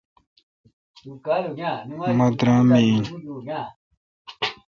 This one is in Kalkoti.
مہ درام می این